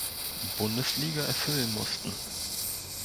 Bundesliga" erfüllen mussten.